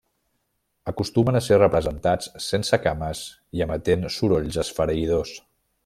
Acostumen a ser representats sense cames i emetent sorolls esfereïdors.